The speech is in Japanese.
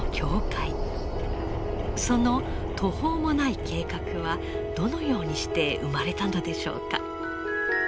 その途方もない計画はどのようにして生まれたのでしょうか。